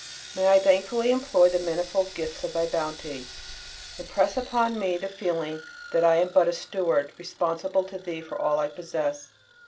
May I thankfully employ the manifold gifts of Thy bounty. Impress upon me the feeling that I am but a steward, responsible to Thee for all I possess.